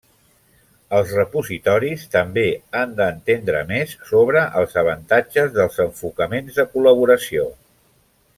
Els repositoris també han d'entendre més sobre els avantatges dels enfocaments de col·laboració.